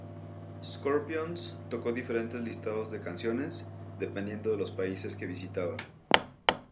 Scorpions tocó diferentes listados de canciones, dependiendo de los países que visitaba.